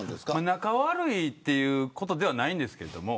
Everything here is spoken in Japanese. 仲悪いということではないんですけども。